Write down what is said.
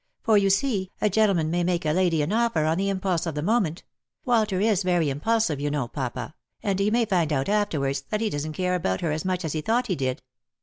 For, yon see, a gentleman may make a lady an offer on the impulse of the moment — Walter is very impulsive, you know, papa — and he may rind out afterwards that he doesn't care about her as much as he thought he did.